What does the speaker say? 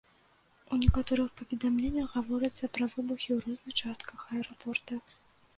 У некаторых паведамленнях гаворыцца пра выбухі ў розных частках аэрапорта.